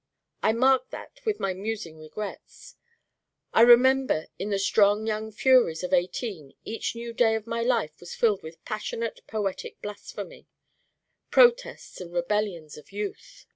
I mark that with my musing regrets. I remember in the strong young furies of eighteen each new day of my life was filled with passionate poetic blasphemy, protests and rebellions of youth.